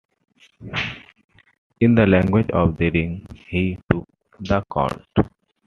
In the language of the ring, he took the count.